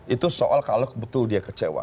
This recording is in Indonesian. itu soal kalau betul dia kecewa